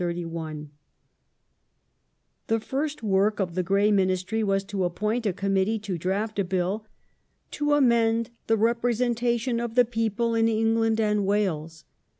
^' The first work of the Grey Ministry was to appoint a Committee Progress to draft a Bill to "amend the representation of the people in^^*^®g?^^" England and Wales